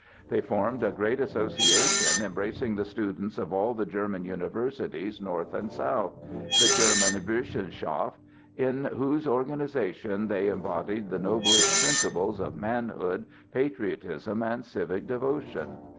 They formed a great association embracing the students of all the German universities, north and south,—the German Burschenschaft, in whose organization they embodied the noblest principles of manhood, patriotism, and civic devotion.